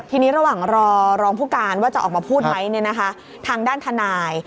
ทีนี้ระหว่างรอรองผู้การว่าจะออกมาพูดไหมเนี่ยนะคะทางด้านทนาย